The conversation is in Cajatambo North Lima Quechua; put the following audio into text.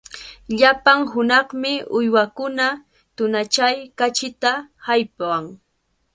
Llapan hunaqmi uywakuna tunachaw kachita llaqwan.